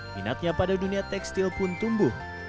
minatnya pada dunia tekstil pun tumbuh